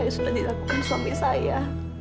yang sudah dilakukan suami saya